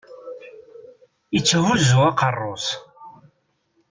Itthuzzu aqerru-s.